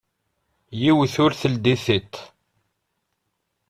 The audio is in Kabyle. Yiwet ur teldi tiṭ.